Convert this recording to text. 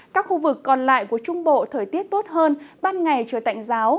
các khu vực còn lại của trung bộ thời tiết tốt hơn ban ngày trời tạnh giáo